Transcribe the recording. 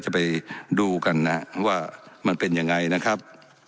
จะไปดูกันนะครับว่ามันเป็นยังไงนะครับ